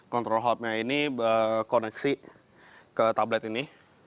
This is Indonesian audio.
control hubnya ini koneksi ke tablet ini